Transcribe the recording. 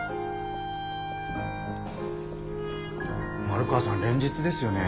丸川さん連日ですよね。